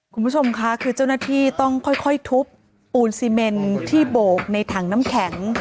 คุณผู้ชมค่ะคือเจ้าหน้าที่ต้องค่อยทุบปูนซีเมนที่โบกในถังน้ำแข็ง